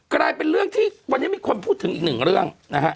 กลายเป็นเรื่องที่วันนี้มีคนพูดถึงอีกหนึ่งเรื่องนะฮะ